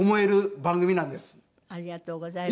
ありがとうございます。